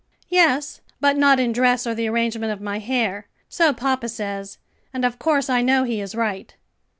"Yes, but not in dress or the arrangement of my hair. So papa says, and of course I know he is right."